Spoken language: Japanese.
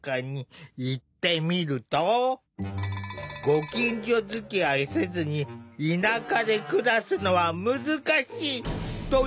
ご近所づきあいせずに田舎で暮らすのは難しいという回答が。